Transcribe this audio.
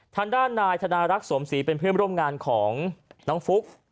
ทางด้านนายธนารักษ์สมศรีเป็นเพื่อนร่วมงานของน้องฟุ๊ก